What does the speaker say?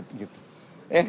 lapan sudah sepakat